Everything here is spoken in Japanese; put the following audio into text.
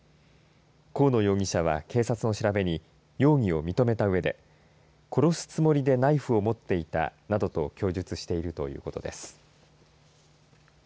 河野容疑者は警察の調べに容疑を認めたうえで殺すつもりでナイフを持っていたなどと供述しているということです。